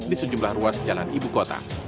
di sejumlah ruas jalan ibu kota